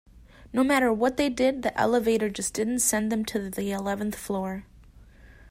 No matter what they did, the elevator just didn't send them to the eleventh floor.